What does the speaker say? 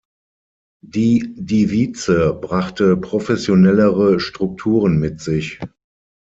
Die "Divize" brachte professionellere Strukturen mit sich.